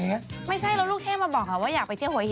ไม่ใช่แล้วลูกเทพมาบอกค่ะว่าอยากไปเที่ยวหัวหิน